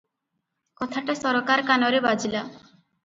କଥାଟା ସରକାର କାନରେ ବାଜିଲା ।